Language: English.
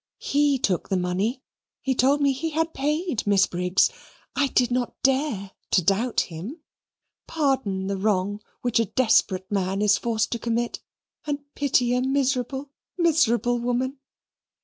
He took the money. He told me he had paid Miss Briggs; I did not want, I did not dare to doubt him. Pardon the wrong which a desperate man is forced to commit, and pity a miserable, miserable woman."